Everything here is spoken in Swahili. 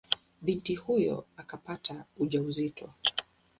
Binti huyo akapata ujauzito.